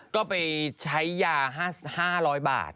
ก็ไปใช้ยา๕๐๐บาท